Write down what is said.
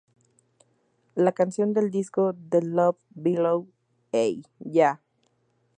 La canción del disco The Love Below, Hey Ya!